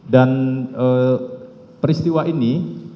dan peristiwa ini